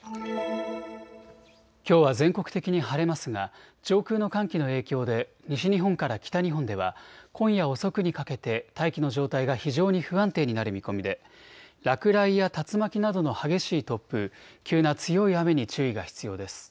きょうは全国的に晴れますが上空の寒気の影響で西日本から北日本では今夜遅くにかけて大気の状態が非常に不安定になる見込みで落雷や竜巻などの激しい突風、急な強い雨に注意が必要です。